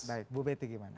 baik bu betty gimana